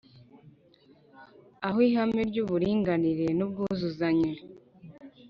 Aho ihame ry’uburinganire n’ubwuzuzanye